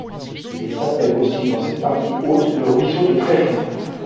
Il s'appelle aussi dans cette partie haute le ruisseau de Tréfond.